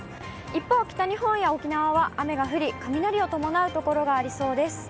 一方、北日本や沖縄は雨が降り、雷を伴う所がありそうです。